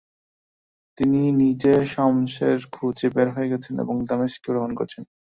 তিনি নিজে শামসের খোঁজে বের হয়ে গেছেন এবং দামেস্ক ভ্রমণ করেছেন।